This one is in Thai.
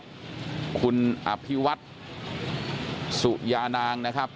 เหลือเพียงกลุ่มเจ้าหน้าที่ตอนนี้ได้ทำการแตกกลุ่มออกมาแล้วนะครับ